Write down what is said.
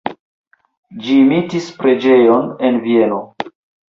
Ĝi imitis preĝejon en Vieno.